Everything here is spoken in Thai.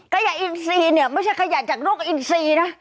ขยะอินทรีย์ไม่ใช่ขยะจากลูกอินทรีย์นะ